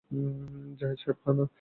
জাহিদ সাহেব হ্যাঁ, না।